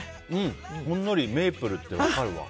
ほんのりメープルって分かるわ。